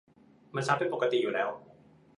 มันช้าเป็นปกติอยู่แล้ว